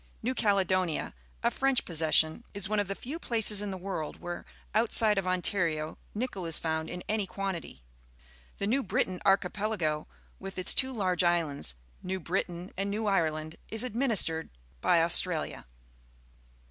New Caledonia, a French possession, is one of the few places in the world where, outside of Ontario, nickel is found in any quantity. The New Britain Archipelago, with its two large islands N^ew Britain and A^ew Ireland, is administered by .\ustralia.